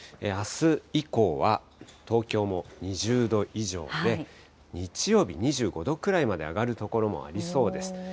あす以降は東京も２０度以上で、日曜日２５度くらいまで上がる所もありそうです。